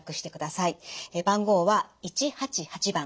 番号は「１８８」番。